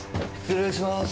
失礼しまーす。